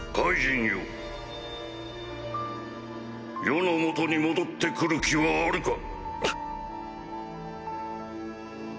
余の元に戻って来る気はあるか。